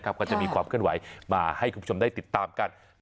ก็จะมีความเคลื่อนไหวมาให้คุณผู้ชมได้ติดตามกัน